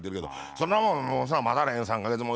「そんなもんもう待たれへん３か月も」